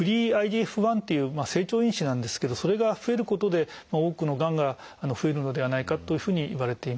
１っていう成長因子なんですけどそれが増えることで多くのがんが増えるのではないかというふうにいわれています。